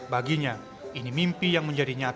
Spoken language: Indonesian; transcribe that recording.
baginya ini mimpi yang menjadi nyata